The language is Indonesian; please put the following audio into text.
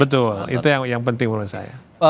betul itu yang penting menurut saya